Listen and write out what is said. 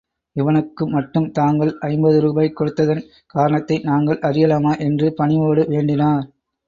இவனுக்கு மட்டும் தாங்கள் ஐம்பது ரூபாய் கொடுத்ததன் காரணத்தை நாங்கள் அறியலாமா? என்று பணிவோடு வேண்டினார்.